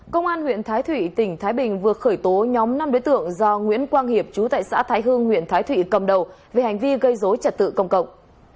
công an huyện thái thụy tỉnh thái bình vừa khởi tố nhóm năm đối tượng do nguyễn quang hiệp chú tại xã thái hương huyện thái thụy cầm đầu về hành vi gây dối trật tự công cộng